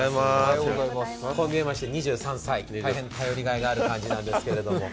こう見えまして２３歳、大変頼りがいがある感じなんですけれども。